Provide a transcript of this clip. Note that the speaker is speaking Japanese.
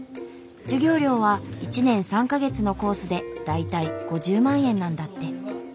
授業料は１年３か月のコースで大体５０万円なんだって。